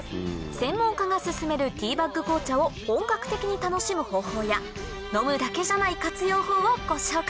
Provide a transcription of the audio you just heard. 専門家が勧めるティーバッグ紅茶を本格的に楽しむ方法や飲むだけじゃない活用法をご紹介！